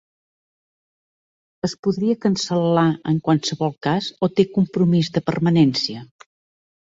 Es podria cancel·lar en qualsevol cas o té compromís de permanència?